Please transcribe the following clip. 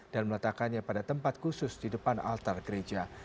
dan meletakkannya pada tempat khusus di depan altar gereja